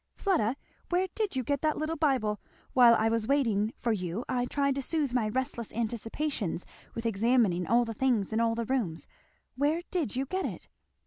Fleda, where did you get that little Bible? while I was waiting for you I tried to soothe my restless anticipations with examining all the things in all the rooms; where did you get it?"